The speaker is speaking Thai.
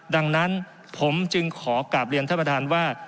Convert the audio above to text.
ดังนั้นผมจึงขอกลับเรียนท่านประธานว่า